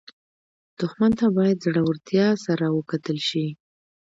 دښمن ته باید زړورتیا سره وکتل شي